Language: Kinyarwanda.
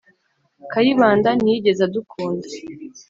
kayibanda ntiyigeze adukunda